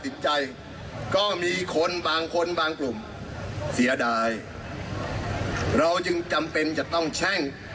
สายตำแพทย์ออกมารับทราบแจทำใหม่